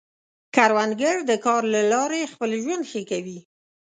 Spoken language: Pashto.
کروندګر د کار له لارې خپل ژوند ښه کوي